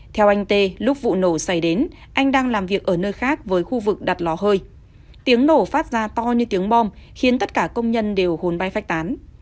theo anh tê lúc vụ nổ xảy đến anh đang làm việc ở nơi khác với khu vực đặt lò hơi tiếng nổ phát ra to như tiếng bom khiến tất cả công nhân đều hồn bay phát tán